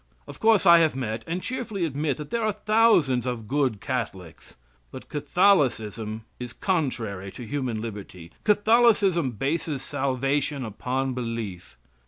Of course I have met, and cheerfully admit that there is thousands of good Catholics; but Catholicism is contrary to human liberty. Catholicism bases salvation upon belief.